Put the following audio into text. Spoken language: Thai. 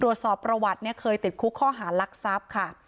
ตรวจสอบประวัติเนี่ยเคยติดคุกข้อหารักทรัพย์ค่ะ